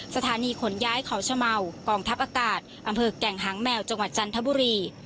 สถานีขนย้ายเขาชะเมากองทัพอากาศอำเภอแก่งหางแมวจังหวัดจันทบุรี